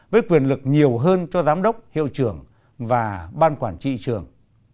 với quyền lực nhiều hơn cho giám đốc hiệu trưởng và ban quản trị trường